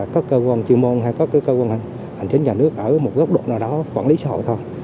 các cơ quan chuyên môn hay có cơ quan hành chính nhà nước ở một góc độ nào đó quản lý xã hội thôi